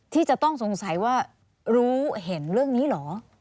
ที่จะต้องสงสัยว่ารู้เห็นเรื่องนี้เหรอ